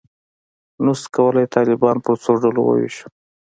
نه شو کولای طالبان پر څو ډلو وویشو.